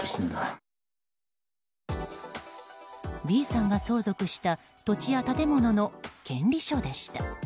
Ｂさんが相続した土地や建物の権利書でした。